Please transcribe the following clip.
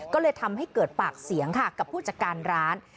ก็เลยทำให้เกิดปากเสียงค่ะกับผู้จัดการร้าน